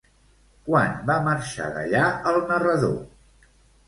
Quan va marxar d'allà el narrador?